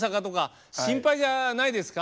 心配じゃないですか？